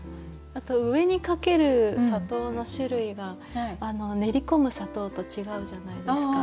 あと上にかける砂糖の種類が練り込む砂糖と違うじゃないですか。